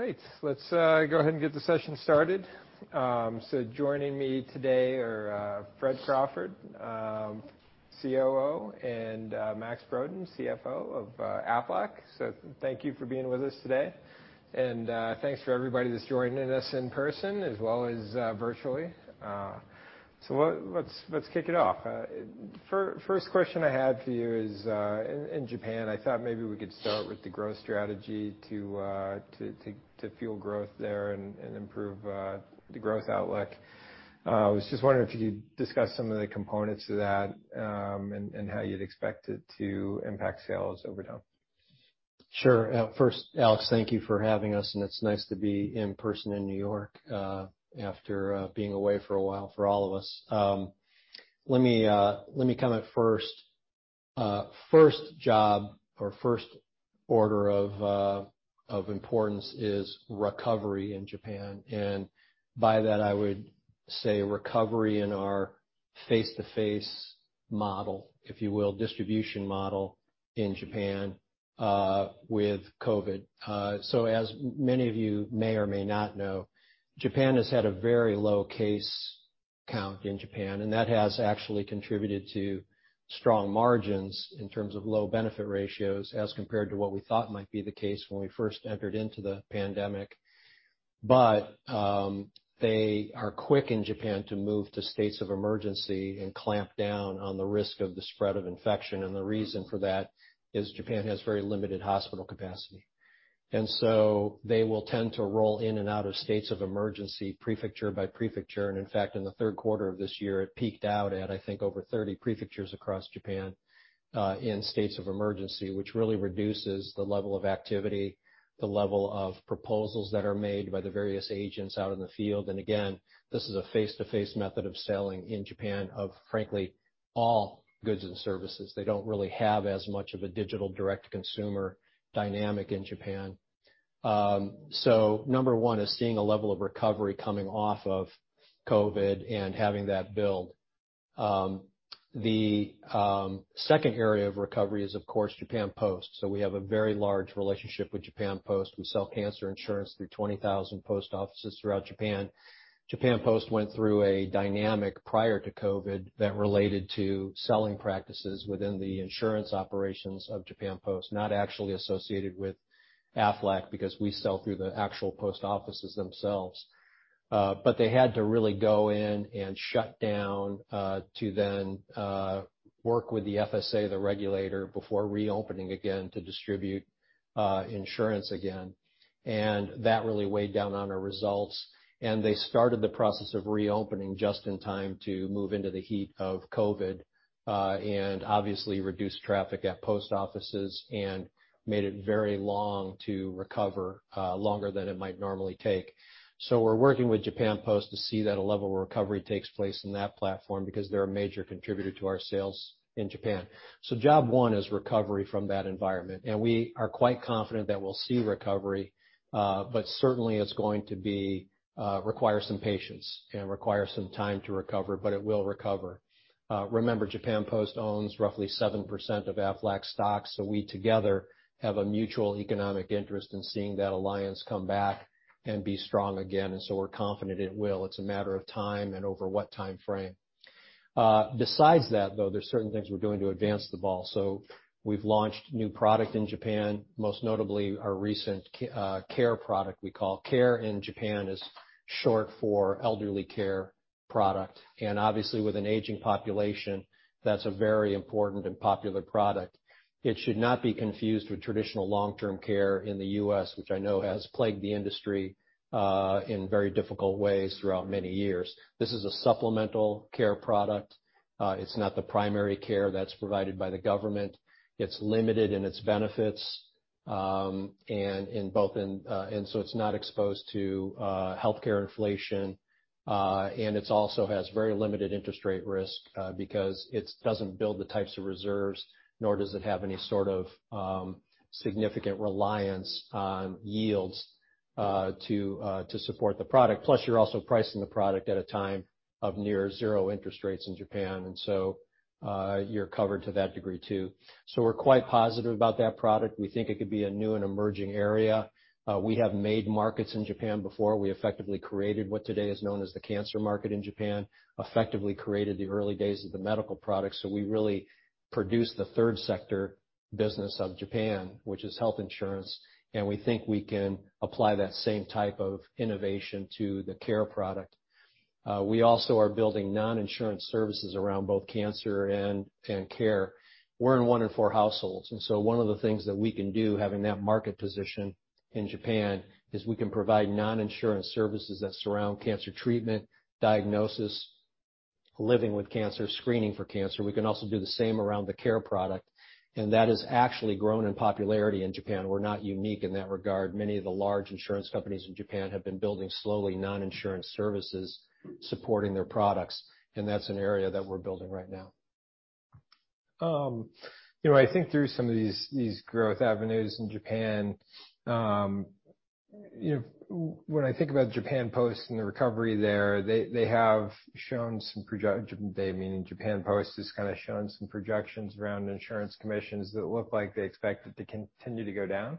All right, let's go ahead and get the session started. Joining me today are Fred Crawford, COO, and Max Brodén, CFO of Aflac. Thank you for being with us today, and thanks for everybody that's joining us in person as well as virtually. Let's kick it off. First question I had for you is, in Japan, I thought maybe we could start with the growth strategy to fuel growth there and improve the growth outlook. I was just wondering if you could discuss some of the components to that, and how you'd expect it to impact sales over time. Sure. First, Alex, thank you for having us, and it's nice to be in person in New York after being away for a while for all of us. Let me comment first. First job or first order of importance is recovery in Japan, and by that, I would say recovery in our face-to-face model, if you will, distribution model in Japan with COVID. As many of you may or may not know, Japan has had a very low case count in Japan, and that has actually contributed to strong margins in terms of low benefit ratios as compared to what we thought might be the case when we first entered into the pandemic. They are quick in Japan to move to states of emergency and clamp down on the risk of the spread of infection. The reason for that is Japan has very limited hospital capacity, and they will tend to roll in and out of states of emergency prefecture by prefecture. In fact, in the third quarter of this year, it peaked out at, I think, over 30 prefectures across Japan in states of emergency, which really reduces the level of activity, the level of proposals that are made by the various agents out in the field. Again, this is a face-to-face method of selling in Japan of, frankly, all goods and services. They don't really have as much of a digital direct consumer dynamic in Japan. Number one is seeing a level of recovery coming off of COVID and having that build. The second area of recovery is, of course, Japan Post. We have a very large relationship with Japan Post. We sell cancer insurance through 20,000 post offices throughout Japan. Japan Post went through a dynamic prior to COVID that related to selling practices within the insurance operations of Japan Post, not actually associated with Aflac, because we sell through the actual post offices themselves. They had to really go in and shut down to then work with the FSA, the regulator, before reopening again to distribute insurance again. That really weighed down on our results. They started the process of reopening just in time to move into the heat of COVID, and obviously reduced traffic at post offices and made it very long to recover, longer than it might normally take. We're working with Japan Post to see that a level of recovery takes place in that platform because they're a major contributor to our sales in Japan. Job one is recovery from that environment. We are quite confident that we'll see recovery. Certainly, it's going to require some patience and require some time to recover, but it will recover. Remember, Japan Post owns roughly 7% of Aflac's stock. We together have a mutual economic interest in seeing that alliance come back and be strong again. We're confident it will. It's a matter of time and over what time frame. Besides that, though, there's certain things we're doing to advance the ball. We've launched new product in Japan, most notably our recent Care product we call Care in Japan, is short for elderly care product. Obviously, with an aging population, that's a very important and popular product. It should not be confused with traditional long-term care in the U.S., which I know has plagued the industry in very difficult ways throughout many years. This is a supplemental Care product. It's not the primary care that's provided by the government. It's limited in its benefits. It's not exposed to healthcare inflation. It also has very limited interest rate risk because it doesn't build the types of reserves, nor does it have any sort of significant reliance on yields to support the product. Plus, you're also pricing the product at a time of near zero interest rates in Japan. You're covered to that degree, too. We're quite positive about that product. We think it could be a new and emerging area. We have made markets in Japan before. We effectively created what today is known as the cancer market in Japan, effectively created the early days of the medical product. We really produced the third sector business of Japan, which is health insurance. We think we can apply that same type of innovation to the Care product. We also are building non-insurance services around both cancer and Care. We're in one in four households. One of the things that we can do, having that market position in Japan, is we can provide non-insurance services that surround cancer treatment, diagnosis, living with cancer, screening for cancer. We can also do the same around the Care product. That has actually grown in popularity in Japan. We're not unique in that regard. Many of the large insurance companies in Japan have been building slowly non-insurance services supporting their products. That's an area that we're building right now. I think through some of these growth avenues in Japan, when I think about Japan Post and the recovery there, they have shown some projections. They, meaning Japan Post, has kind of shown some projections around insurance commissions that look like they expect it to continue to go down.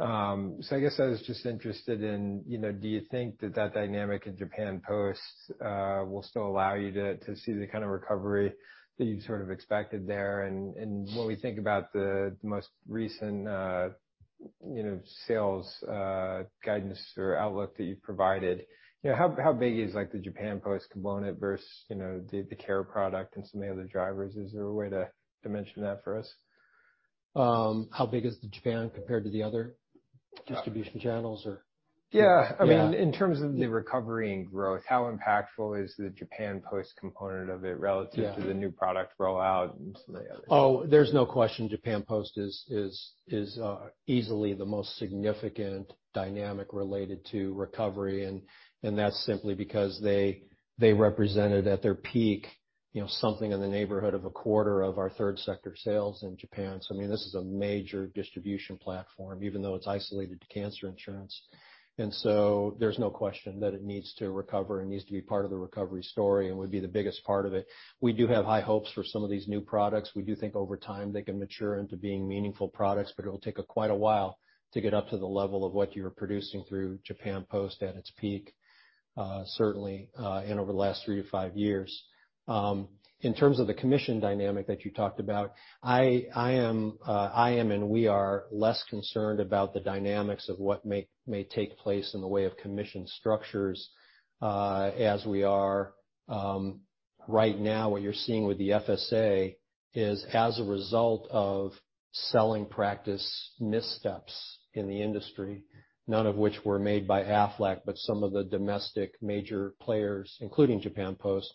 I guess I was just interested in, do you think that that dynamic in Japan Post will still allow you to see the kind of recovery that you sort of expected there? When we think about the most recent sales guidance or outlook that you've provided, how big is the Japan Post component versus the Care product and some of the other drivers? Is there a way to dimension that for us? How big is the Japan compared to the other distribution channels? Yeah. Yeah. In terms of the recovery and growth, how impactful is the Japan Post component of it relative. Yeah to the new product rollout and some of the others? There's no question Japan Post is easily the most significant dynamic related to recovery, and that's simply because they represented, at their peak, something in the neighborhood of a quarter of our third sector sales in Japan. This is a major distribution platform, even though it's isolated to cancer insurance. There's no question that it needs to recover and needs to be part of the recovery story and would be the biggest part of it. We do have high hopes for some of these new products. We do think over time they can mature into being meaningful products, but it'll take quite a while to get up to the level of what you were producing through Japan Post at its peak, certainly, and over the last three to five years. In terms of the commission dynamic that you talked about, I am, and we are, less concerned about the dynamics of what may take place in the way of commission structures as we are. Right now, what you're seeing with the FSA is, as a result of selling practice missteps in the industry, none of which were made by Aflac, but some of the domestic major players, including Japan Post,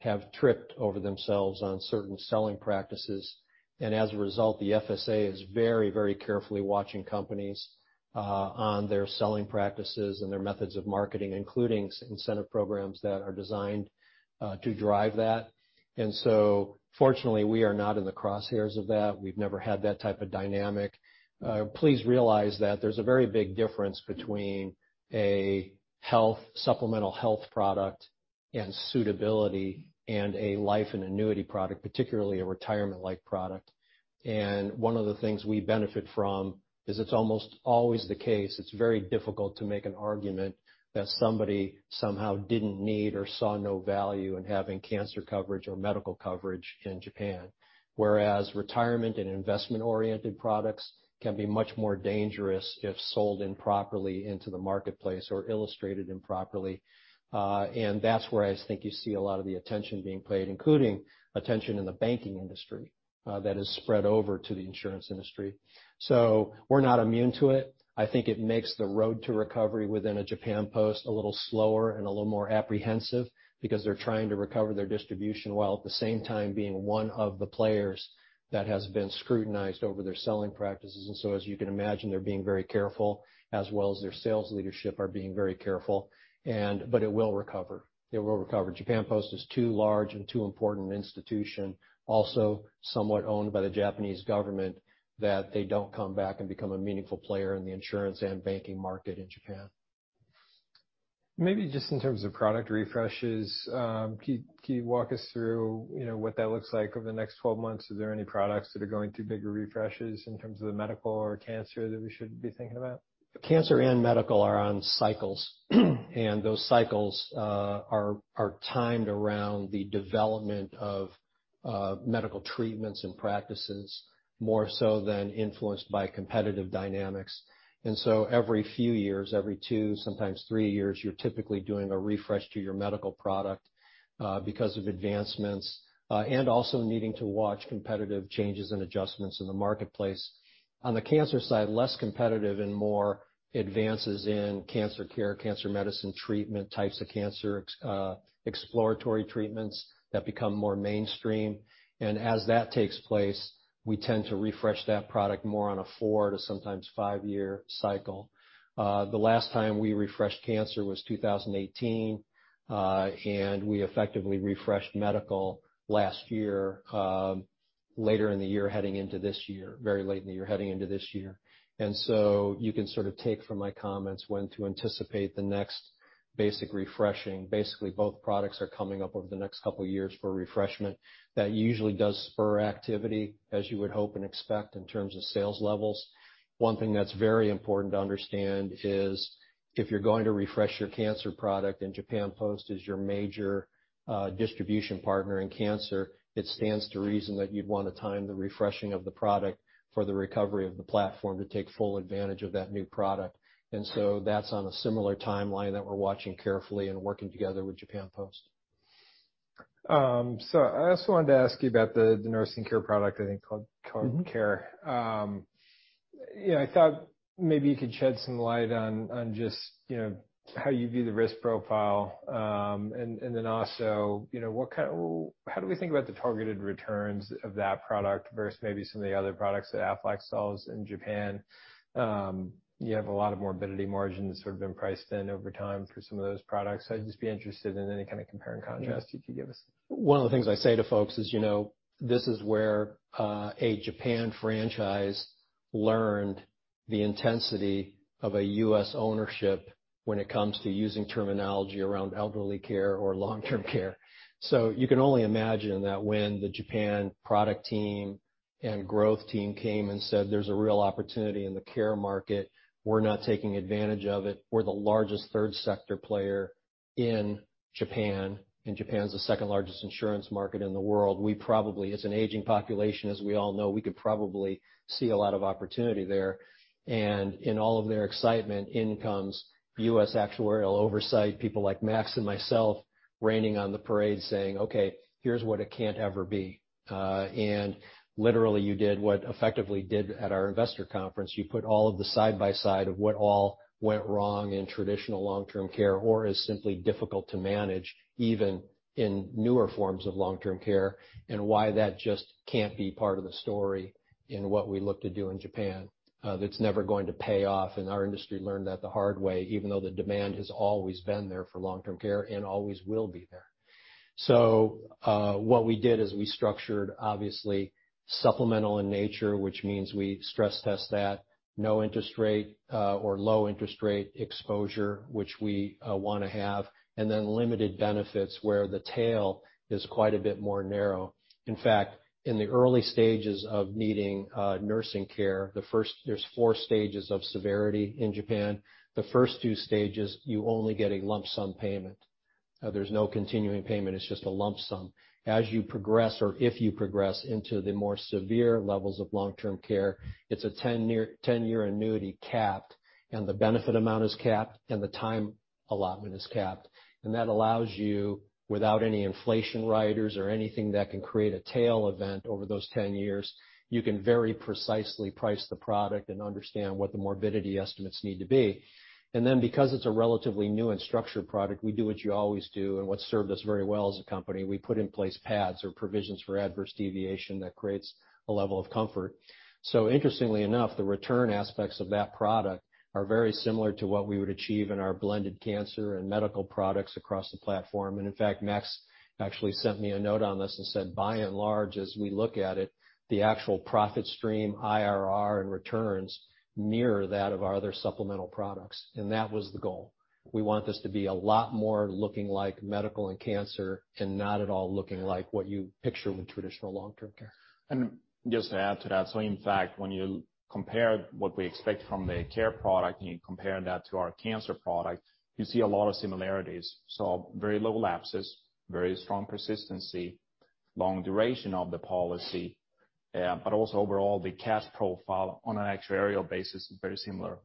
have tripped over themselves on certain selling practices. As a result, the FSA is very carefully watching companies on their selling practices and their methods of marketing, including incentive programs that are designed to drive that. Fortunately, we are not in the crosshairs of that. We've never had that type of dynamic. Please realize that there's a very big difference between a supplemental health product and suitability and a life and annuity product, particularly a retirement-like product. One of the things we benefit from is it's almost always the case, it's very difficult to make an argument that somebody somehow didn't need or saw no value in having cancer coverage or medical coverage in Japan. Whereas retirement and investment-oriented products can be much more dangerous if sold improperly into the marketplace or illustrated improperly. That's where I think you see a lot of the attention being played, including attention in the banking industry that has spread over to the insurance industry. We're not immune to it. I think it makes the road to recovery within Japan Post a little slower and a little more apprehensive because they're trying to recover their distribution while at the same time being one of the players that has been scrutinized over their selling practices. As you can imagine, they're being very careful, as well as their sales leadership are being very careful. It will recover. Japan Post is too large and too important an institution, also somewhat owned by the Japanese government, that they don't come back and become a meaningful player in the insurance and banking market in Japan. Maybe just in terms of product refreshes, can you walk us through what that looks like over the next 12 months? Is there any products that are going through bigger refreshes in terms of the medical or cancer that we should be thinking about? Cancer and medical are on cycles. Those cycles are timed around the development of medical treatments and practices more so than influenced by competitive dynamics. Every few years, every two, sometimes three years, you're typically doing a refresh to your medical product because of advancements and also needing to watch competitive changes and adjustments in the marketplace. On the cancer side, less competitive and more advances in cancer care, cancer medicine treatment, types of cancer, exploratory treatments that become more mainstream. As that takes place, we tend to refresh that product more on a four to sometimes five-year cycle. The last time we refreshed cancer was 2018. We effectively refreshed medical last year, later in the year heading into this year. Very late in the year heading into this year. You can sort of take from my comments when to anticipate the next basic refreshing. Basically, both products are coming up over the next couple of years for refreshment. That usually does spur activity, as you would hope and expect in terms of sales levels. One thing that's very important to understand is if you're going to refresh your cancer product and Japan Post is your major distribution partner in cancer, it stands to reason that you'd want to time the refreshing of the product for the recovery of the platform to take full advantage of that new product. That's on a similar timeline that we're watching carefully and working together with Japan Post. I also wanted to ask you about the nursing care product, I think called Care. I thought maybe you could shed some light on just how you view the risk profile. Also, how do we think about the targeted returns of that product versus maybe some of the other products that Aflac sells in Japan? You have a lot of morbidity margins sort of been priced in over time for some of those products. I'd just be interested in any kind of compare and contrast you could give us. One of the things I say to folks is this is where a Japan franchise learned the intensity of a U.S. ownership when it comes to using terminology around elderly care or long-term care. You can only imagine that when the Japan product team and growth team came and said, "There's a real opportunity in the Care market, we're not taking advantage of it, we're the largest third sector player in Japan, and Japan is the second-largest insurance market in the world. We probably, as an aging population, as we all know, we could probably see a lot of opportunity there. In all of their excitement, in comes U.S. actuarial oversight, people like Max and myself, raining on the parade saying, "Okay, here's what it can't ever be." Literally, you did what effectively did at our investor conference. You put all of the side by side of what all went wrong in traditional long-term care, or is simply difficult to manage, even in newer forms of long-term care, and why that just can't be part of the story in what we look to do in Japan. That's never going to pay off, and our industry learned that the hard way, even though the demand has always been there for long-term care and always will be there. What we did is we structured obviously supplemental in nature, which means we stress test that. No interest rate or low interest rate exposure, which we want to have, and then limited benefits where the tail is quite a bit more narrow. In fact, in the early stages of needing nursing care, there's 4 stages of severity in Japan. The first 2 stages, you only get a lump sum payment. There's no continuing payment, it's just a lump sum. As you progress or if you progress into the more severe levels of long-term care, it's a 10-year annuity capped, the benefit amount is capped, and the time allotment is capped. That allows you, without any inflation riders or anything that can create a tail event over those 10 years, you can very precisely price the product and understand what the morbidity estimates need to be. Because it's a relatively new and structured product, we do what you always do and what's served us very well as a company, we put in place pads or provisions for adverse deviation that creates a level of comfort. Interestingly enough, the return aspects of that product are very similar to what we would achieve in our blended cancer and medical products across the platform. In fact, Max actually sent me a note on this and said, by and large, as we look at it, the actual profit stream, IRR, and returns mirror that of our other supplemental products. That was the goal. We want this to be a lot more looking like medical and cancer and not at all looking like what you picture with traditional long-term care. Just to add to that. In fact, when you compare what we expect from the Care product and you compare that to our Cancer product, you see a lot of similarities. Very low lapses, very strong persistency, long duration of the policy, but also overall, the cash profile on an actuarial basis is very similar.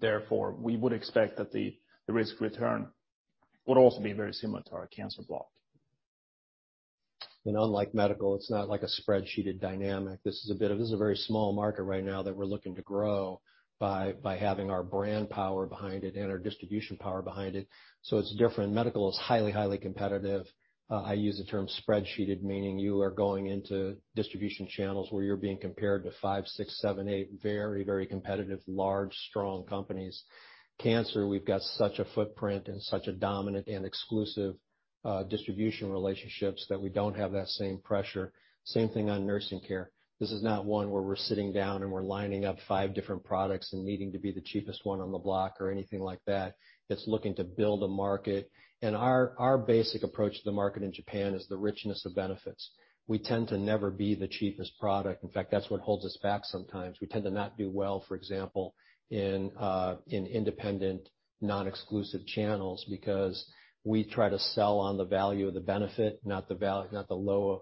Therefore, we would expect that the risk return would also be very similar to our Cancer block. Unlike medical, it's not like a spreadsheeted dynamic. This is a very small market right now that we're looking to grow by having our brand power behind it and our distribution power behind it. It's different. Medical is highly competitive. I use the term spreadsheeted, meaning you are going into distribution channels where you're being compared to five, six, seven, eight very competitive, large, strong companies. Cancer, we've got such a footprint and such a dominant and exclusive distribution relationships that we don't have that same pressure. Same thing on nursing care. This is not one where we're sitting down and we're lining up five different products and needing to be the cheapest one on the block or anything like that. It's looking to build a market. Our basic approach to the market in Japan is the richness of benefits. We tend to never be the cheapest product. In fact, that's what holds us back sometimes. We tend to not do well, for example, in independent, non-exclusive channels because we try to sell on the value of the benefit, not the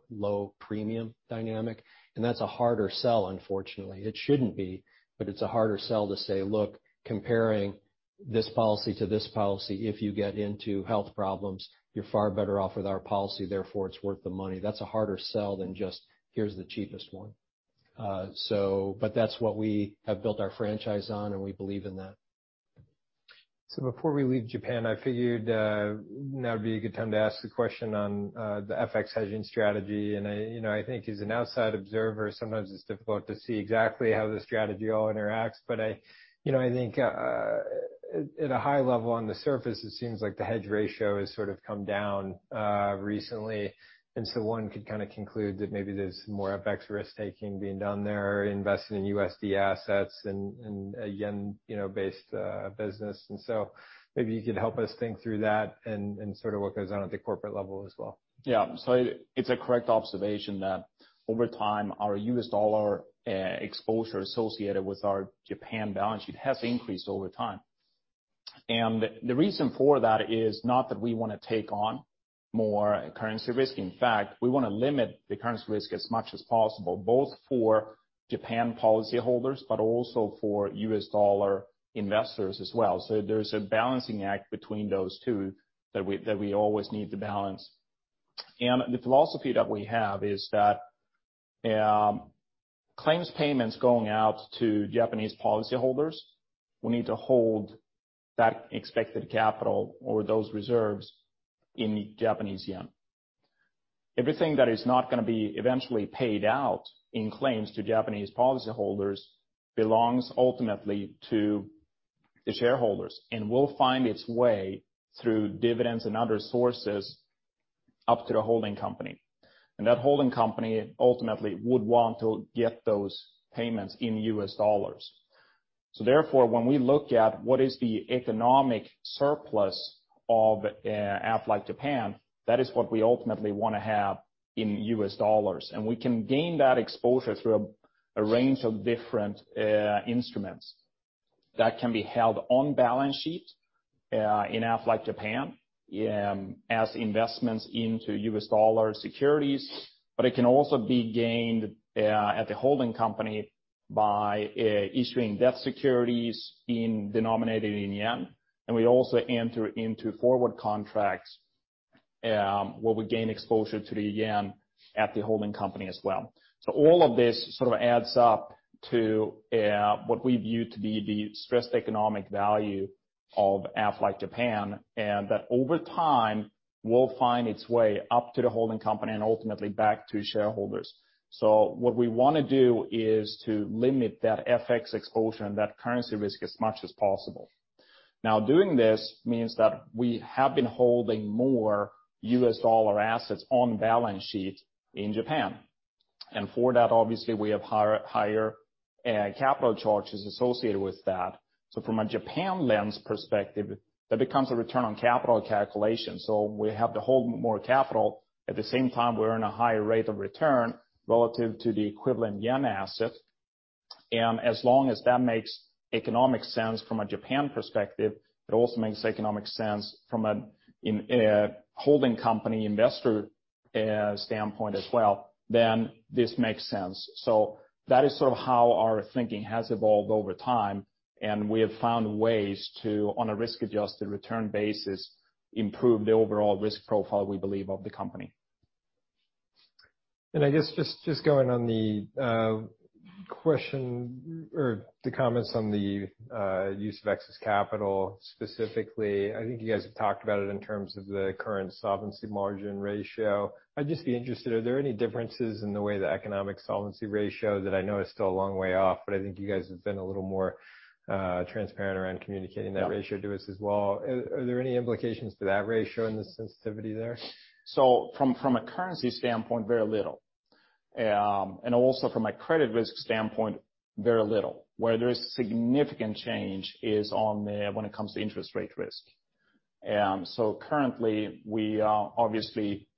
low premium dynamic. That's a harder sell, unfortunately. It shouldn't be, but it's a harder sell to say, "Look, comparing this policy to this policy, if you get into health problems, you're far better off with our policy, therefore it's worth the money." That's a harder sell than just, "Here's the cheapest one." That's what we have built our franchise on, and we believe in that. Before we leave Japan, I figured now would be a good time to ask the question on the FX hedging strategy. I think as an outside observer, sometimes it's difficult to see exactly how the strategy all interacts. I think at a high level on the surface, it seems like the hedge ratio has sort of come down recently. One could kind of conclude that maybe there's more FX risk-taking being done there, investing in USD assets in a yen-based business. Maybe you could help us think through that and sort of what goes on at the corporate level as well. It's a correct observation that over time, our US dollar exposure associated with our Japan balance sheet has increased over time. The reason for that is not that we want to take on more currency risk. In fact, we want to limit the currency risk as much as possible, both for Japan policyholders, but also for US dollar investors as well. There's a balancing act between those two that we always need to balance. The philosophy that we have is that claims payments going out to Japanese policyholders, we need to hold that expected capital or those reserves in Japanese yen. Everything that is not going to be eventually paid out in claims to Japanese policyholders belongs ultimately to the shareholders and will find its way through dividends and other sources up to the holding company. That holding company ultimately would want to get those payments in US dollars. When we look at what is the economic surplus of Aflac Japan, that is what we ultimately want to have in US dollars. We can gain that exposure through a range of different instruments that can be held on balance sheet in Aflac Japan as investments into US dollar securities, but it can also be gained at the holding company by issuing debt securities denominated in yen. We also enter into forward contracts, where we gain exposure to the yen at the holding company as well. All of this sort of adds up to what we view to be the stressed economic value of Aflac Japan, and that over time, will find its way up to the holding company and ultimately back to shareholders. What we want to do is to limit that FX exposure and that currency risk as much as possible. Now, doing this means that we have been holding more US dollar assets on balance sheet in Japan. For that, obviously, we have higher capital charges associated with that. From a Japan lens perspective, that becomes a return on capital calculation. We have to hold more capital. At the same time, we earn a higher rate of return relative to the equivalent yen asset. As long as that makes economic sense from a Japan perspective, it also makes economic sense from a holding company investor standpoint as well, then this makes sense. That is sort of how our thinking has evolved over time, and we have found ways to, on a risk-adjusted return basis, improve the overall risk profile we believe of the company. I guess just going on the question or the comments on the use of excess capital specifically, I think you guys have talked about it in terms of the current solvency margin ratio. I'd just be interested, are there any differences in the way the economic solvency ratio that I know is still a long way off, but I think you guys have been a little more transparent around communicating that ratio to us as well. Are there any implications to that ratio and the sensitivity there? From a currency standpoint, very little. Also from a credit risk standpoint, very little. Where there is significant change is when it comes to interest rate risk. Currently we are obviously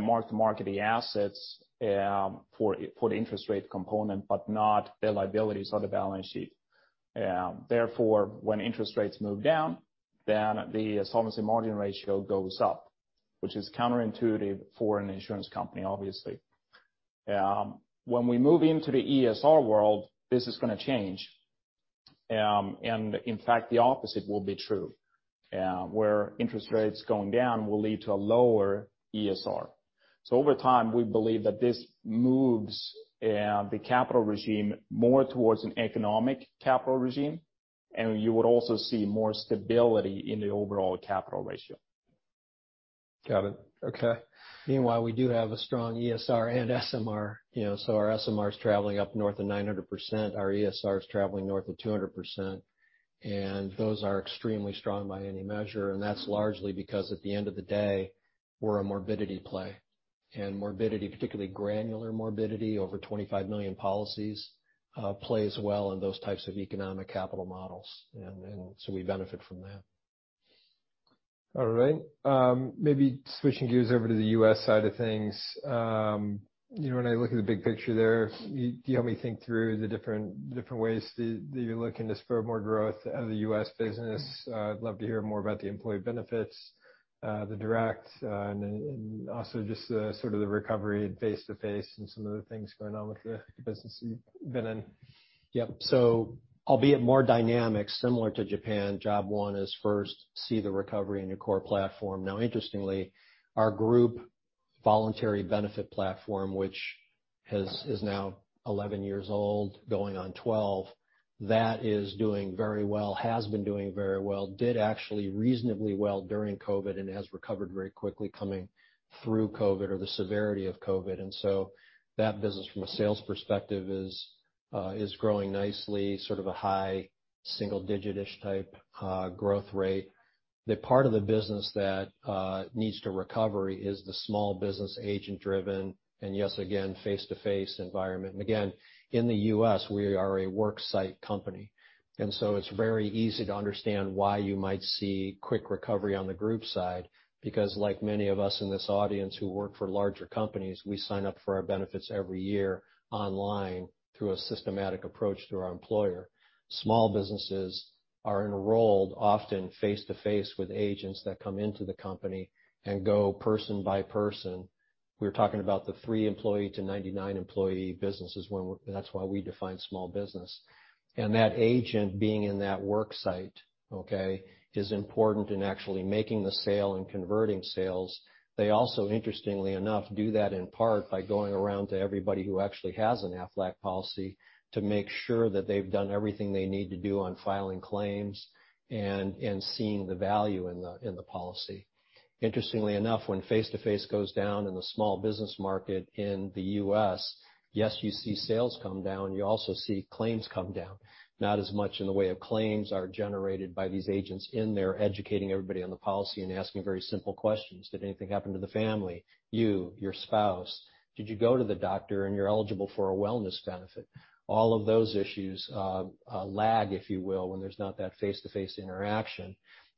mark-to-market the assets for the interest rate component, but not the liabilities on the balance sheet. Therefore, when interest rates move down, then the solvency margin ratio goes up, which is counterintuitive for an insurance company, obviously. When we move into the ESR world, this is going to change. In fact, the opposite will be true, where interest rates going down will lead to a lower ESR. Over time, we believe that this moves the capital regime more towards an economic capital regime, and you would also see more stability in the overall capital ratio. Got it. Okay. Meanwhile, we do have a strong ESR and SMR. Our SMR is traveling up north of 900%. Our ESR is traveling north of 200%, and those are extremely strong by any measure. That's largely because at the end of the day, we're a morbidity play. Morbidity, particularly granular morbidity, over 25 million policies, plays well in those types of economic capital models. We benefit from that. Maybe switching gears over to the U.S. side of things. When I look at the big picture there, can you help me think through the different ways that you're looking to spur more growth out of the U.S. business? I'd love to hear more about the employee benefits, the direct, and also just the sort of the recovery face-to-face and some of the things going on with the business you've been in. Yep. Albeit more dynamic, similar to Japan, job one is first see the recovery in your core platform. Now interestingly, our group voluntary benefit platform, which is now 11 years old, going on 12, that is doing very well, has been doing very well, did actually reasonably well during COVID and has recovered very quickly coming through COVID or the severity of COVID. That business from a sales perspective is growing nicely, sort of a high single digit-ish type growth rate. The part of the business that needs to recover is the small business agent driven, and yes, again, face-to-face environment. Again, in the U.S., we are a work site company. It's very easy to understand why you might see quick recovery on the group side, because like many of us in this audience who work for larger companies, we sign up for our benefits every year online through a systematic approach through our employer. Small businesses are enrolled, often face-to-face with agents that come into the company and go person by person. We're talking about the 3 employee to 99 employee businesses. That's why we define small business. That agent being in that work site is important in actually making the sale and converting sales. They also, interestingly enough, do that in part by going around to everybody who actually has an Aflac policy to make sure that they've done everything they need to do on filing claims and seeing the value in the policy. Interestingly enough, when face-to-face goes down in the small business market in the U.S., yes, you see sales come down, you also see claims come down. Not as much in the way of claims are generated by these agents in there educating everybody on the policy and asking very simple questions. Did anything happen to the family, you, your spouse? Did you go to the doctor and you're eligible for a wellness benefit? All of those issues lag, if you will, when there's not that face-to-face interaction.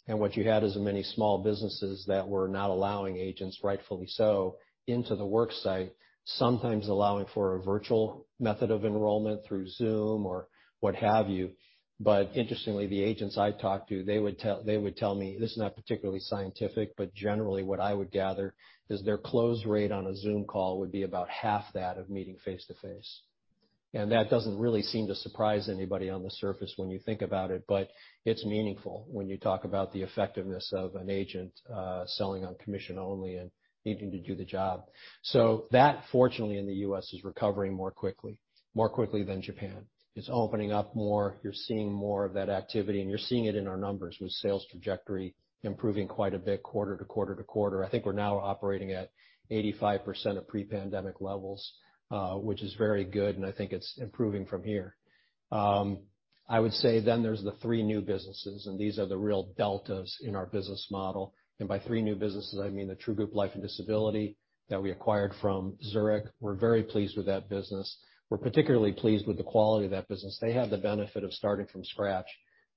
What you had is many small businesses that were not allowing agents, rightfully so, into the work site, sometimes allowing for a virtual method of enrollment through Zoom or what have you. Interestingly, the agents I talked to, they would tell me, this is not particularly scientific, but generally what I would gather is their close rate on a Zoom call would be about half that of meeting face-to-face. That doesn't really seem to surprise anybody on the surface when you think about it, but it's meaningful when you talk about the effectiveness of an agent selling on commission only and needing to do the job. That, fortunately, in the U.S. is recovering more quickly than Japan. It's opening up more. You're seeing more of that activity, and you're seeing it in our numbers with sales trajectory improving quite a bit quarter to quarter to quarter. I think we're now operating at 85% of pre-pandemic levels, which is very good, and I think it's improving from here. I would say there's the three new businesses, and these are the real deltas in our business model. By three new businesses, I mean the Group Life and Disability that we acquired from Zurich. We're very pleased with that business. We're particularly pleased with the quality of that business. They have the benefit of starting from scratch.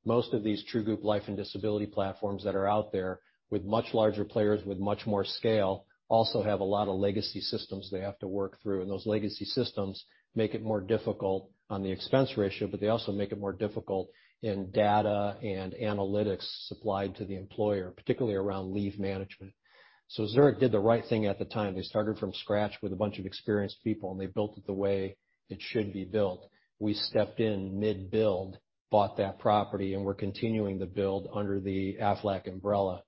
Most of these Group Life and Disability platforms that are out there with much larger players with much more scale also have a lot of legacy systems they have to work through, and those legacy systems make it more difficult on the expense ratio, but they also make it more difficult in data and analytics supplied to the employer, particularly around leave management. Zurich did the right thing at the time. They started from scratch with a bunch of experienced people, they built it the way it should be built. We stepped in mid-build, bought that property, we're continuing the build under the Aflac umbrella.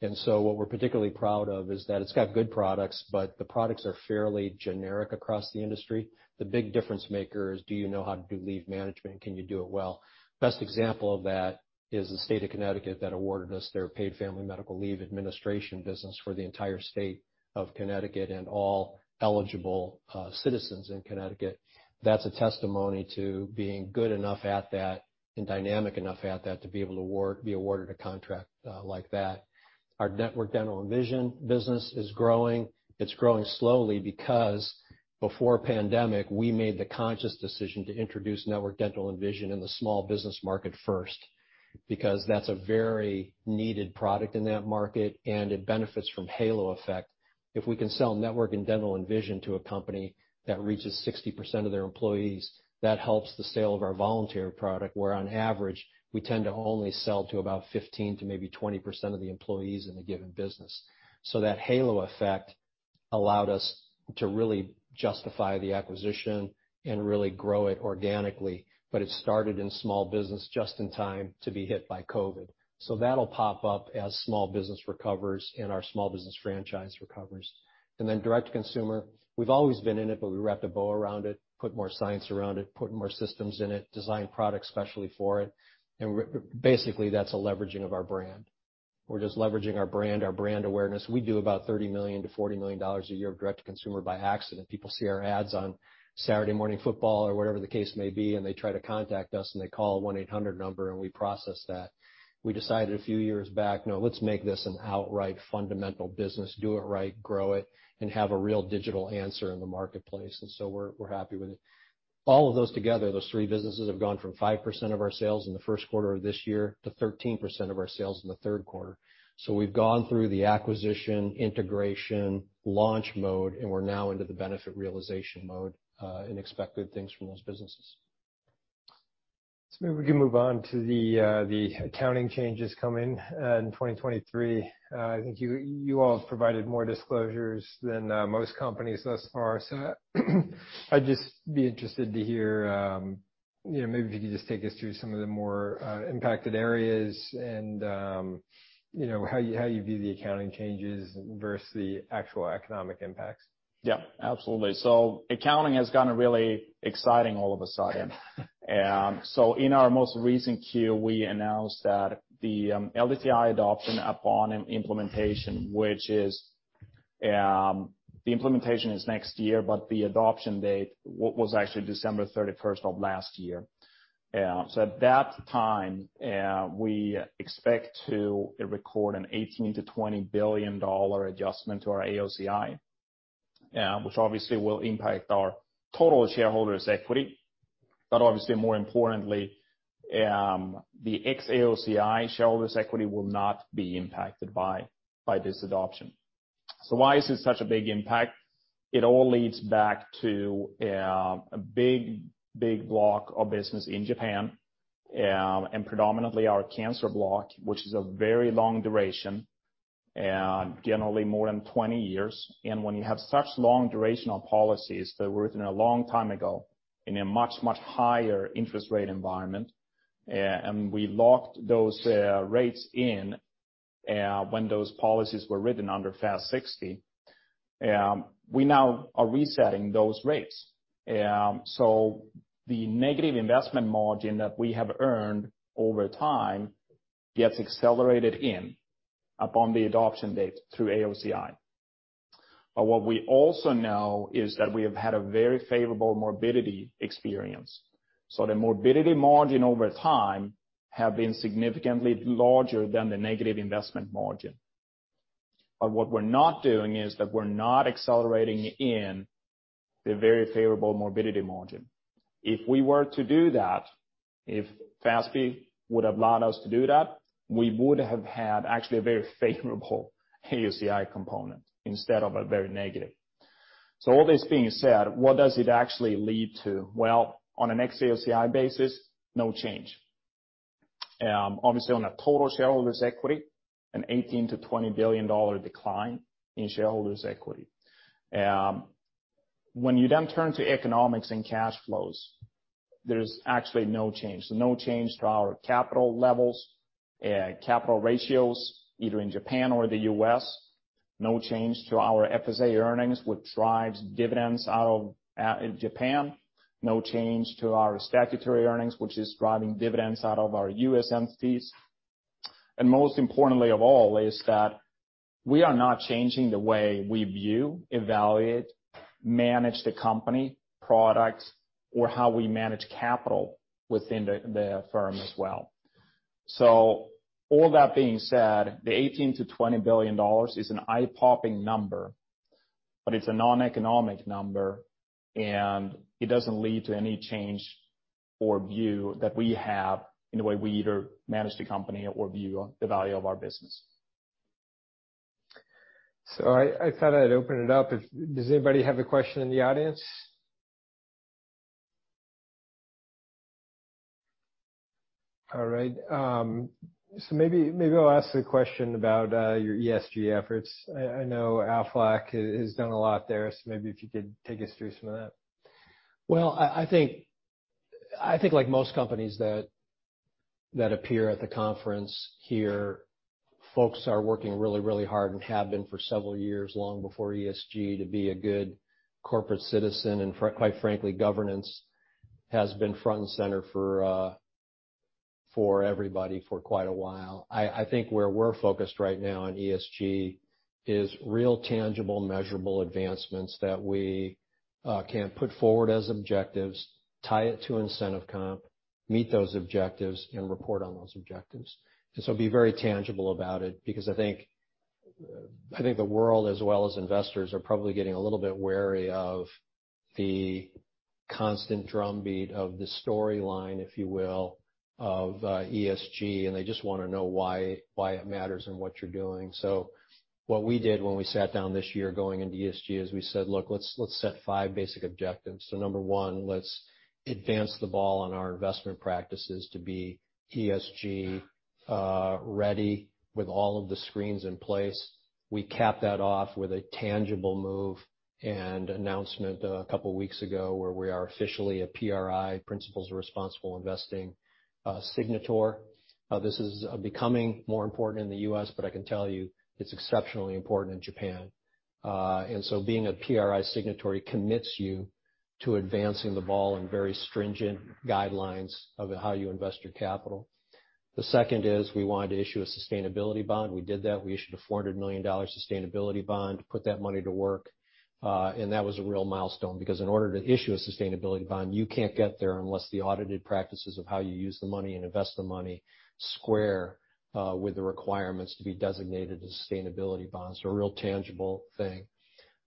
What we're particularly proud of is that it's got good products, but the products are fairly generic across the industry. The big difference maker is do you know how to do leave management? Can you do it well? Best example of that is the state of Connecticut that awarded us their paid family medical leave administration business for the entire state of Connecticut and all eligible citizens in Connecticut. That's a testimony to being good enough at that and dynamic enough at that to be awarded a contract like that. Our network dental and vision business is growing. It's growing slowly because before pandemic, we made the conscious decision to introduce network dental and vision in the small business market first, because that's a very needed product in that market, and it benefits from halo effect. If we can sell network and dental and vision to a company that reaches 60% of their employees, that helps the sale of our voluntary product, where on average, we tend to only sell to about 15%-20% of the employees in a given business. That halo effect allowed us to really justify the acquisition and really grow it organically. It started in small business just in time to be hit by COVID. That'll pop up as small business recovers and our small business franchise recovers. Direct to consumer, we've always been in it, but we wrapped a bow around it, put more science around it, put more systems in it, designed products specially for it. That's a leveraging of our brand. We're just leveraging our brand, our brand awareness. We do about $30 million-$40 million a year of direct to consumer by accident. People see our ads on Saturday morning football or whatever the case may be, and they try to contact us, and they call 1-800 number, and we process that. We decided a few years back, no, let's make this an outright fundamental business, do it right, grow it, and have a real digital answer in the marketplace. We're happy with it. All of those together, those three businesses, have gone from 5% of our sales in the first quarter of this year to 13% of our sales in the third quarter. We've gone through the acquisition, integration, launch mode, and we're now into the benefit realization mode, and expect good things from those businesses. Maybe we can move on to the accounting changes coming in 2023. I think you all have provided more disclosures than most companies thus far. I'd just be interested to hear, maybe if you could just take us through some of the more impacted areas and how you view the accounting changes versus the actual economic impacts. Yeah, absolutely. Accounting has gotten really exciting all of a sudden. In our most recent Q, we announced that the LDTI adoption upon implementation, the implementation is next year, but the adoption date was actually December 31st of last year. At that time, we expect to record an $18 billion-$20 billion adjustment to our AOCI, which obviously will impact our total shareholders' equity. Obviously more importantly, the ex AOCI shareholders' equity will not be impacted by this adoption. Why is it such a big impact? It all leads back to a big, big block of business in Japan, and predominantly our cancer block, which is a very long duration, generally more than 20 years. When you have such long durational policies that were written a long time ago in a much, much higher interest rate environment, we locked those rates in when those policies were written under FAS 60, we now are resetting those rates. The negative investment margin that we have earned over time gets accelerated in upon the adoption date through AOCI. What we also know is that we have had a very favorable morbidity experience. The morbidity margin over time have been significantly larger than the negative investment margin. What we're not doing is that we're not accelerating in the very favorable morbidity margin. If we were to do that, if FASB would have allowed us to do that, we would have had actually a very favorable AOCI component instead of a very negative. All this being said, what does it actually lead to? On an ex AOCI basis, no change. On a total shareholders' equity, an $18 billion-$20 billion decline in shareholders' equity. When you turn to economics and cash flows, there's actually no change. No change to our capital levels, capital ratios, either in Japan or the U.S. No change to our FSA earnings, which drives dividends out of Japan. No change to our statutory earnings, which is driving dividends out of our U.S. entities. Most importantly of all is that we are not changing the way we view, evaluate, manage the company, products, or how we manage capital within the firm as well. All that being said, the $18 billion-$20 billion is an eye-popping number, it's a non-economic number, it doesn't lead to any change or view that we have in the way we either manage the company or view the value of our business. I thought I'd open it up. Does anybody have a question in the audience? All right. Maybe I'll ask the question about your ESG efforts. I know Aflac has done a lot there, maybe if you could take us through some of that. Well, I think like most companies that appear at the conference here, folks are working really, really hard and have been for several years, long before ESG, to be a good corporate citizen. Quite frankly, governance has been front and center for everybody for quite a while. I think where we're focused right now on ESG is real, tangible, measurable advancements that we can put forward as objectives, tie it to incentive comp, meet those objectives, and report on those objectives. Be very tangible about it, because I think the world, as well as investors, are probably getting a little bit wary of the constant drumbeat of the storyline, if you will, of ESG, and they just want to know why it matters and what you're doing. What we did when we sat down this year going into ESG is we said, "Look, let's set five basic objectives." Number one, let's advance the ball on our investment practices to be ESG ready with all of the screens in place. We capped that off with a tangible move and announcement a couple of weeks ago, where we are officially a PRI, Principles for Responsible Investment, signatory. This is becoming more important in the U.S., but I can tell you it's exceptionally important in Japan. Being a PRI signatory commits you to advancing the ball in very stringent guidelines of how you invest your capital. The second is we wanted to issue a sustainability bond. We did that. We issued a JPY 400 million sustainability bond to put that money to work. That was a real milestone because in order to issue a sustainability bond, you can't get there unless the audited practices of how you use the money and invest the money square with the requirements to be designated as sustainability bonds. A real tangible thing.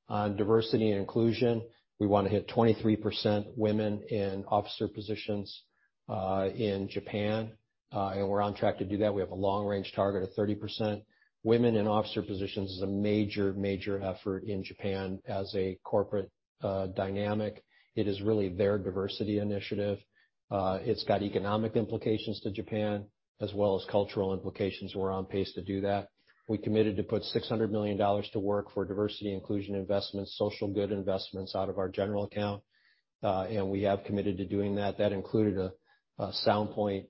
On diversity and inclusion, we want to hit 23% women in officer positions in Japan, and we're on track to do that. We have a long-range target of 30%. Women in officer positions is a major effort in Japan as a corporate dynamic. It is really their diversity initiative. It's got economic implications to Japan as well as cultural implications. We're on pace to do that. We committed to put JPY 600 million to work for diversity and inclusion investments, social good investments out of our general account. We have committed to doing that. That included a Sound Point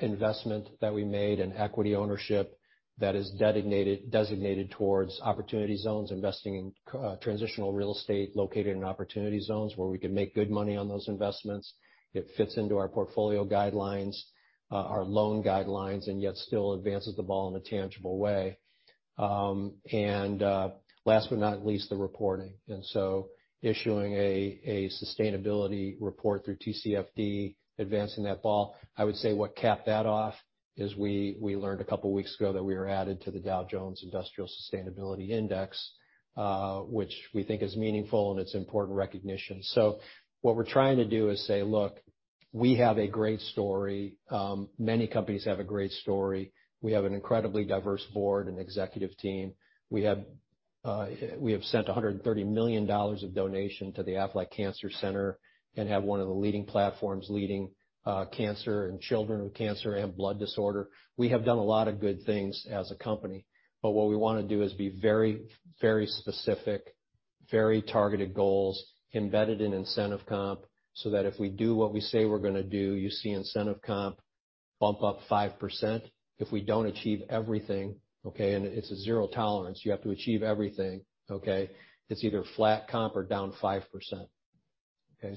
investment that we made in equity ownership that is designated towards opportunity zones, investing in transitional real estate located in opportunity zones where we can make good money on those investments. It fits into our portfolio guidelines, our loan guidelines, and yet still advances the ball in a tangible way. Last but not least, the reporting. Issuing a sustainability report through TCFD, advancing that ball. I would say what capped that off is we learned a couple of weeks ago that we were added to the Dow Jones Sustainability Index, which we think is meaningful and it's important recognition. What we're trying to do is say, "Look, we have a great story." Many companies have a great story. We have an incredibly diverse board and executive team. We have sent $130 million of donation to the Aflac Cancer Center and have one of the leading platforms leading cancer in children with cancer and blood disorder. We have done a lot of good things as a company. What we want to do is be very specific, very targeted goals embedded in incentive comp, so that if we do what we say we're going to do, you see incentive comp bump up 5%. If we don't achieve everything, okay, and it's a zero tolerance, you have to achieve everything, okay, it's either flat comp or down 5%. Okay?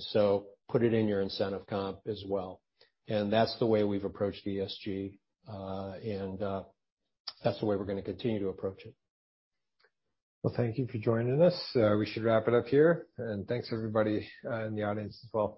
Put it in your incentive comp as well. That's the way we've approached ESG, and that's the way we're going to continue to approach it. Well, thank you for joining us. We should wrap it up here. Thanks, everybody in the audience as well.